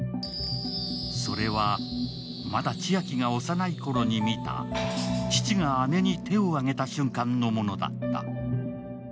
それは、まだ千晶が幼いころに見た父が姉に手を上げた瞬間のものだった。